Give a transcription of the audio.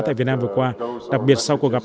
tại việt nam vừa qua đặc biệt sau cuộc gặp